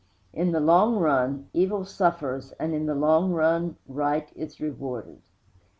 In the long run, evil suffers, and, in the long run, right is rewarded.